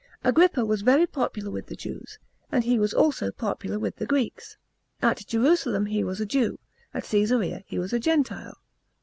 Agrippa was very popular with the Jews, and he was also popular with the Greeks. At Jerusalem he was a Jew ; at Csesarea he was a gentile.